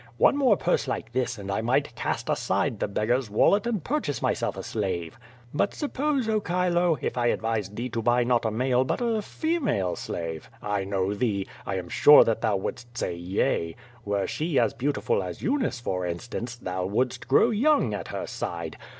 One more purse like this and I might cast aside the beggar's wallet and purchase myself a slave. But suppose, oh, Chile, if I advised thee to buy not a male but a female slave? I know thee! I am sure that thou wouldst say yea! Were she as beautiful as Eunice, for instance, thou wouldst grow young at her side.